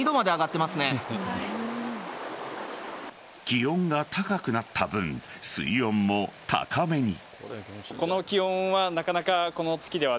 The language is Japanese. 気温が高くなった分水温も高めに。